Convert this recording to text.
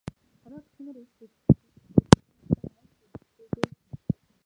Чамайг гишүүнээр элс гэж гуйдаг чинь зөвхөн мөнгө хэрэгтэйдээ биш.